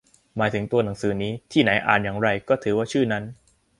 หมายถึงตัวหนังสือนี้ ที่ไหนอ่านอย่างไร ก็ถือว่าชื่อนั้น